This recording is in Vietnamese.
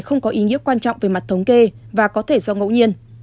không có ý nghĩa quan trọng về mặt thống kê và có thể do ngẫu nhiên